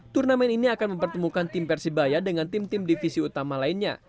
turnamen ini akan mempertemukan tim persebaya dengan tim tim divisi utama lainnya